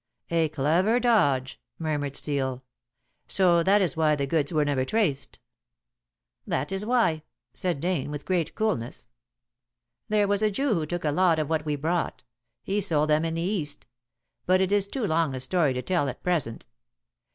"A clever dodge," murmured Steel. "So that is why the goods were never traced." "That is why," said Dane, with great coolness. "There was a Jew who took a lot of what we brought. He sold them in the East. But it is too long a story to tell at present.